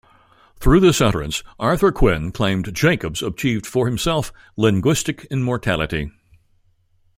Through this utterance Arthur Quinn claimed Jacobs achieved for himself linguistic immortality.